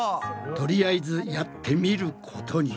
とりあえずやってみることに。